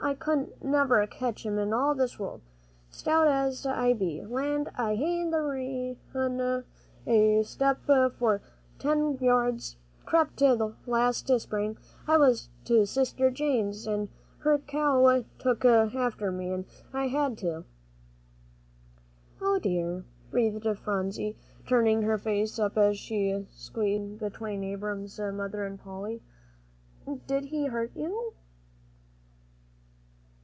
I couldn't never a catched him in all this world, stout as I be. Land! I hain't run a step for ten years, 'cept last spring I was to Sister Jane's, an' her cow took after me, an' I had to." "O dear," breathed Phronsie, turning her face up as she sat squeezed in between Abram's mother and Polly, "did he hurt you?"